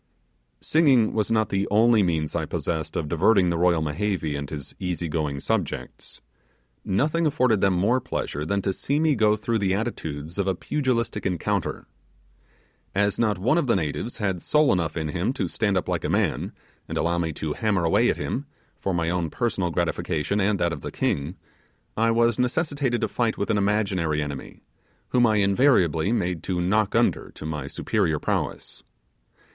........ Singing was not the only means I possessed of diverting the royal Mehevi and his easy going subject. Nothing afforded them more pleasure than to see me go through the attitude of pugilistic encounter. As not one of the natives had soul enough in him to stand up like a man, and allow me to hammer away at him, for my own personal gratification and that of the king, I was necessitated to fight with an imaginary enemy, whom I invariably made to knock under to my superior prowess.